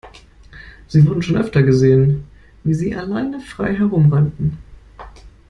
Sie wurden schon öfter gesehen, wie sie alleine frei herumrannten.